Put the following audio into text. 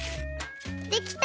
できた！